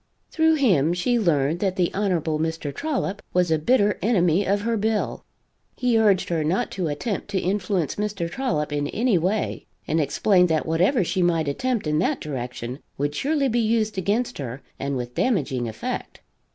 Through him she learned that the Hon. Mr. Trollop was a bitter enemy of her bill. He urged her not to attempt to influence Mr. Trollop in any way, and explained that whatever she might attempt in that direction would surely be used against her and with damaging effect.